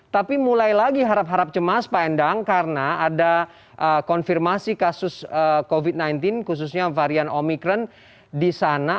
tapi mulai lagi harap harap cemas pak endang karena ada konfirmasi kasus covid sembilan belas khususnya varian omikron di sana